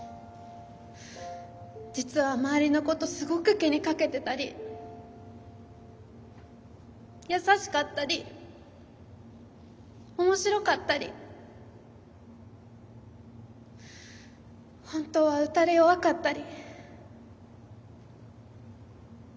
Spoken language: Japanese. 実は周りのことすごく気にかけてたり優しかったり面白かったりほんとは打たれ弱かったり。